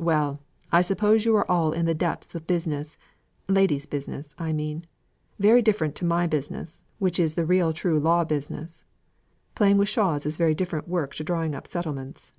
"Well, I suppose you are all in the depth of business ladies' business, I mean. Very different to my business, which is the real true law business. Playing with shawls is very different work to drawing up settlements."